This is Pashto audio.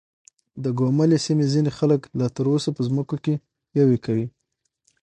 د ګوملې سيمې ځينې خلک لا تر اوسه په ځمکو کې يوې کوي .